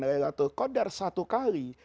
relator kodar satu kali